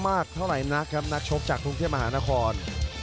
ไม่มากเท่าไหร่นักครับนักชบจากทุ่งเที่ยวมหานคร